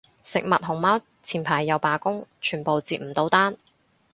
食物熊貓前排又罷工，全部接唔到單